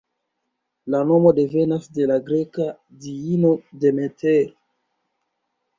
La nomo devenas de la greka diino Demeter.